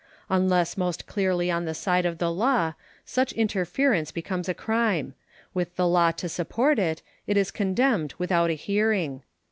Unless most clearly on the side of law, such interference becomes a crime; with the law to support it, it is condemned without a hearing.